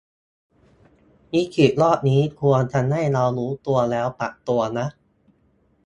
วิกฤตรอบนี้ควรทำให้เรารู้ตัวแล้วปรับตัวนะ